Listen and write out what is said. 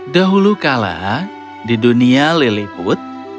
dahulu kala di dunia lelehut